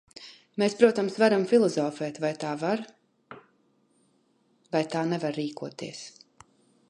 Mēs, protams, varam filozofēt, vai tā var vai tā nevar rīkoties.